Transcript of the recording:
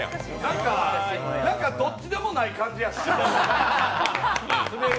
なんか、どっちでもない感じやし。